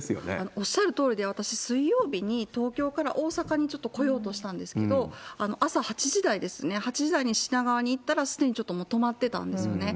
おっしゃるとおりで、私、水曜日に東京から大阪にちょっと来ようとしたんですけれども、朝８時台ですね、８時台に品川に行ったらすでにちょっともう止まってたんですよね。